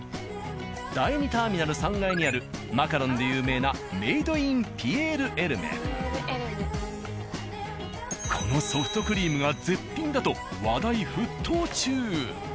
第２ターミナル３階にあるマカロンで有名なこのソフトクリームが絶品だと話題沸騰中。